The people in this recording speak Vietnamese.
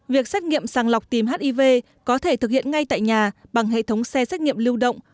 việc xét nghiệm sàng lọc tìm hiv có thể thực hiện ngay tại nhà bằng hệ thống xe xét nghiệm lưu động